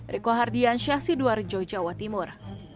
riko hardian syah siduarjo jawa timur